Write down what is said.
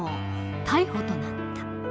逮捕となった。